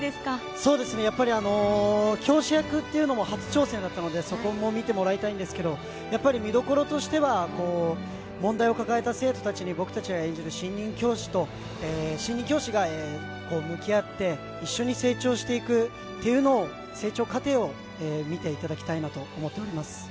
そうですね、やっぱり教師役っていうのも初挑戦だったので、そこも見てもらいたいんですけど、やっぱり見どころとしては、問題を抱えた生徒たちに、僕たちが演じる新任教師と新任教師が向き合って、一緒に成長していくっていうのを、成長過程を見ていただきたいなと思っております。